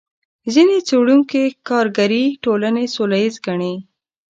ځینې څېړونکي ښکارګرې ټولنې سوله ییزې ګڼي.